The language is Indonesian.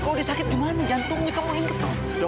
kalau dia sakit gimana jantungnya kamu inget dong